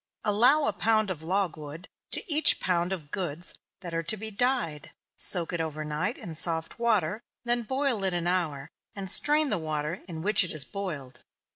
_ Allow a pound of logwood to each pound of goods that are to be dyed. Soak it over night in soft water, then boil it an hour, and strain the water in which it is boiled.